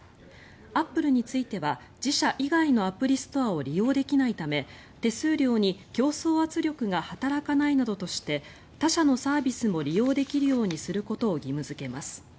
アップルについては自社以外のアプリストアを利用できないため手数料に競争圧力が働かないなどとして他社のサービスも利用できるようにすることを義務付けます。